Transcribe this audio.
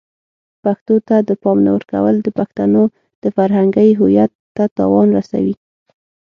پښتو ته د پام نه ورکول د پښتنو د فرهنګی هویت ته تاوان رسوي.